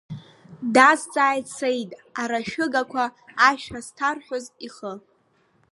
Дазҵааит Саид, арашәыгақәа ашәа зҭарҳәоз ихы.